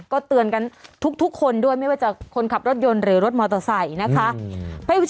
ก็เตือนกันทุกคนด้วยไม่ว่าจะคนขับรถยนต์หรือรถมอเตอร์ไซค์นะคะ